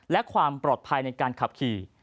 และความปลอดภัยในการขับขี่